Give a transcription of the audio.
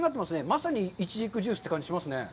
まさにいちじくジュースって感じしますね。